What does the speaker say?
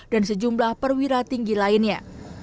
dan sejumlah perwira tinggi lainnya